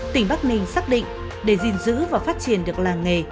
tỉnh bắc ninh xác định để gìn giữ và phát triển được làng nghề